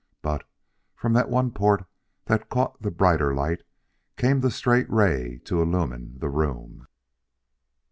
But, from the one port that caught the brighter light, came that straight ray to illumine the room.